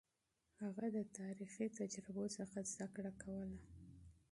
هغه د تاريخي تجربو څخه زده کړه کوله.